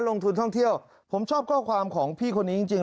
ลงทุนท่องเที่ยวผมชอบข้อความของพี่คนนี้จริง